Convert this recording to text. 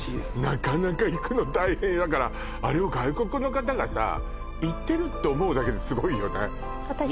なかなか行くの大変だからあれを外国の方がさ行ってるって思うだけですごいよね